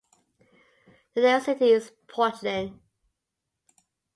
The nearest city is Portland.